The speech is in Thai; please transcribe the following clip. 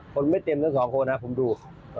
คนไม่เต็มทั้งสองคนนะผมดู